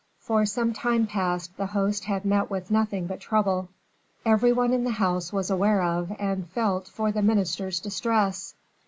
For some time past the host had met with nothing but trouble. Every one in the house was aware of and felt for the minister's distress.